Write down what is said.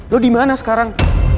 lo dimana sekarang